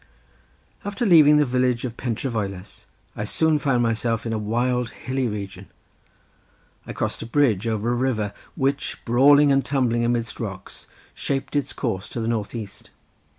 After leaving the village of Pentre Voelas I soon found myself in a wild hilly region. I crossed a bridge over a river which brawling and tumbling amidst rocks shaped its course to the north east.